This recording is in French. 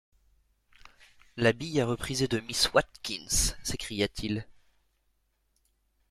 La bille à repriser de miss Watkins! s’écria-t-il.